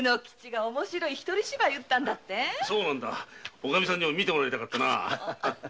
おかみさんにも見てもらいたかったな。